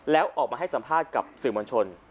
แล้วออกมาให้สัมภาษณ์กับสื่อมวลชน